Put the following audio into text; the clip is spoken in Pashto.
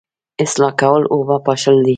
اصلاح کول اوبه پاشل دي